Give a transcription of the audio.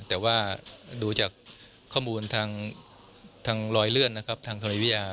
แต่ว่าดูจากข้อมูลทางลอยเลื่อนทางธรรมิวยา